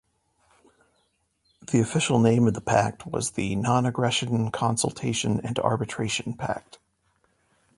The official name of the pact was the Non-Aggression, Consultation and Arbitration pact.